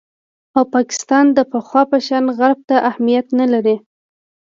او پاکستان د پخوا په شان غرب ته اهمیت نه لري